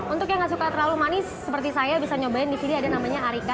untuk yang gak suka terlalu manis seperti saya bisa nyobain di sini ada namanya arika